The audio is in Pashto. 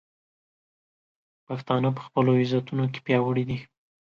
پښتانه په خپلو عزتونو کې پیاوړي دي.